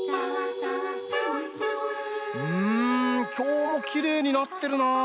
うんきょうもきれいになってるなあ。